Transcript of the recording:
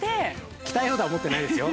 ◆鍛えようとは思ってないですよ